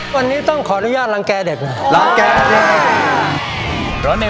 วันนี้ต้องขออนุญาตรังแก่เด็กนะครับ